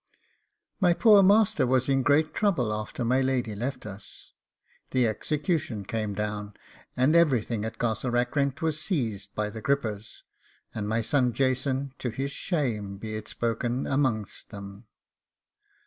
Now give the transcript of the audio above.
My poor master was in great trouble after my lady left us. The execution came down, and everything at Castle Rackrent was seized by the gripers, and my son Jason, to his shame be it spoken, amongst them.